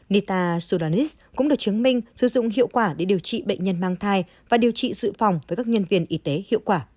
nitazosanit cũng được chứng minh sử dụng hiệu quả để điều trị bệnh nhân mang thai và điều trị sự phòng với các nhân viên y tế hiệu quả